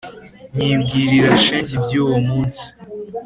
Nyibwirira shenge ibyuwo munsi